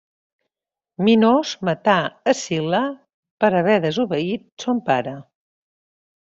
Minos matà Escil·la per haver desobeït son pare.